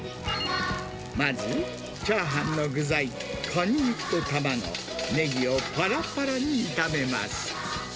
まずチャーハンの具材、カニ肉と卵、ネギをぱらぱらに炒めます。